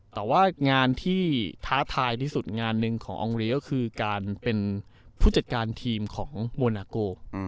แต่ว่างานที่ท้าทายที่สุดงานหนึ่งของอองรีก็คือการเป็นผู้จัดการทีมของโมนาโก